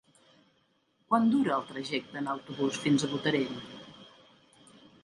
Quant dura el trajecte en autobús fins a Botarell?